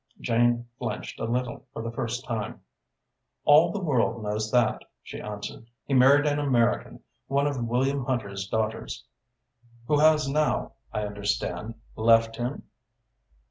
Jane flinched a little for the first time. "All the world knows that," she answered. "He married an American, one of William Hunter's daughters." "Who has now, I understand, left him?"